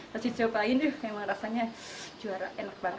terus dicobain yuk memang rasanya juara enak banget